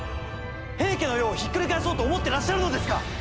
平家の世をひっくり返そうと思ってらっしゃるのですか！